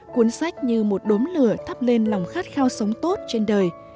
cuốn sách như một đốm lửa thắp lên lòng khát khao sống tốt trên đời